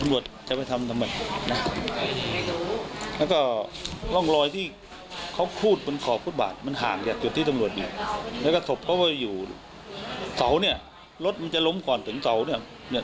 แล้วก็ศพเขาไปอยู่เสารถมันจะล้มก่อนถึงเสา